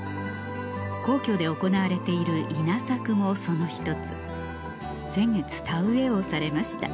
皇居で行われている稲作もその一つ先月田植えをされました